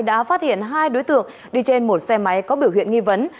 đã phát hiện hai đối tượng đi trên một xe máy có biểu hiện nghi vấn